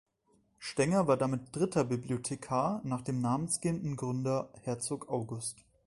Stenger war damit der dritte Bibliothekar nach dem namensgebenden Gründer Herzog August.